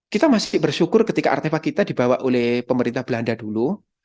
kita masih bersyukur ketika artefak kita dibawa oleh pemerintah belanda dulu